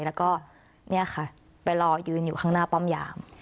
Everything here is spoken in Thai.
แล้วก็เนี่ยค่ะไปรอยืนอยู่ข้างหน้าป้อมยาม